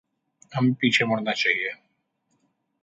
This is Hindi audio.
हमें पीछे मुड़ना चाहिये।